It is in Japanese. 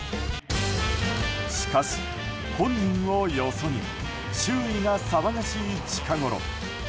しかし、本人をよそに周囲が騒がしい近ごろ。